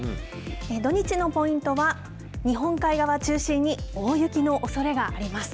土日のポイントは、日本海側を中心に大雪のおそれがあります。